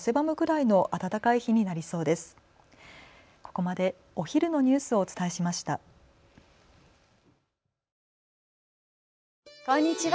こんにちは。